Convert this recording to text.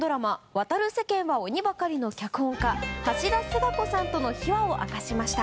「渡る世間は鬼ばかり」の脚本家橋田壽賀子さんとの秘話を明かしました。